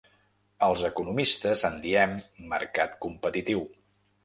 Els economistes en diem ‘mercat competitiu’.